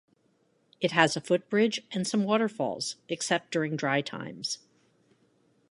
It has a footbridge and some waterfalls except during dry times.